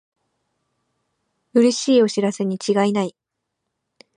うれしいお知らせにちがいない